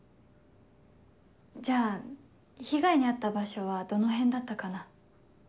じゃあ被害に遭った場所はどの辺だったかな？